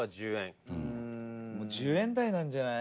二階堂：１０円台なんじゃない？